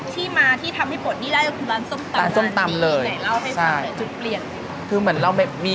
ที่มาที่ทำให้คนไม่ได้ก็คือร้านส้มตำ